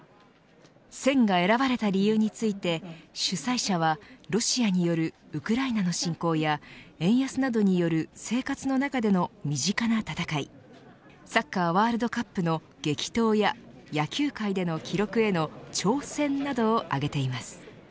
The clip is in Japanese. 戦が選ばれた理由について主催者はロシアによるウクライナの侵攻や円安などによる生活の中での身近な戦いサッカーワールドカップの激闘や野球界での記録への挑戦などを挙げています。